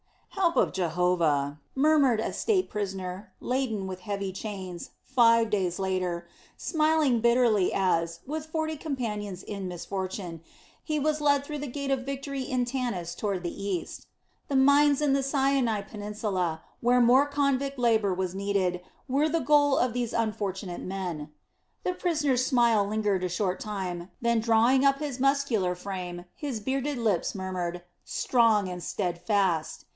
"Help of Jehovah!" murmured a state prisoner, laden with heavy chains, five days later, smiling bitterly as, with forty companions in misfortune, he was led through the gate of victory in Tanis toward the east. The mines in the Sinai peninsula, where more convict labor was needed, were the goal of these unfortunate men. The prisoner's smile lingered a short time, then drawing up his muscular frame, his bearded lips murmured: "Strong and steadfast!"